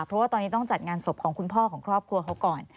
เพราะว่าตอนนี้ต้องจัดงานศพของคุณพ่อของครอบครัวเขาก่อน